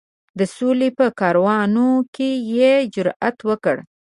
د سولي په کارونو کې یې جرأت وکړ.